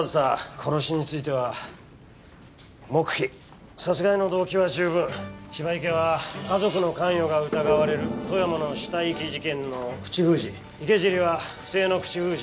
殺しについては黙秘殺害の動機は十分芝池は家族の関与が疑われる富山の死体遺棄事件の口封じ池尻は不正の口封じ